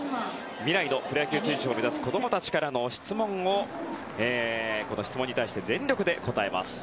未来のプロ野球選手を目指す子供たちの質問に対して全力で答えます。